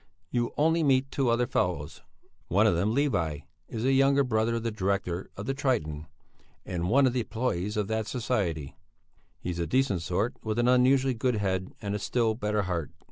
You'll only meet two other fellows; one of them, Levi, is a younger brother of the director of the 'Triton,' and one of the employés of that society. He's a decent sort, with an unusually good head and a still better heart.